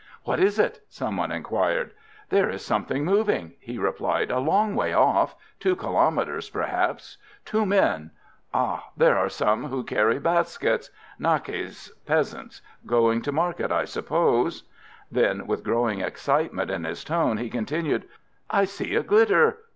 "What is it?" somebody enquired. "There is something moving," he replied, "a long way off two kilomètres, perhaps two men Ah! there are some who carry baskets. Nhaques (peasants) going to market, I suppose." Then with growing excitement in his tone he continued: "I see a glitter.